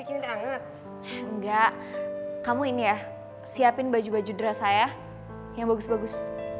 cinta banget enggak kamu ini ya siapin baju baju deras saya yang bagus bagus